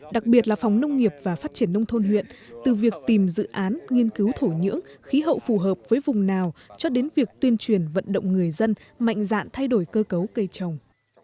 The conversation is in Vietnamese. đặc biệt là phòng nông nghiệp và phát triển nông thôn huyện từ việc tìm dự án nghiên cứu thổ nhưỡng khí hậu phù hợp với vùng nào cho đến việc tuyên truyền vận động người dân mạnh dạn thay đổi cơ cấu cây trồng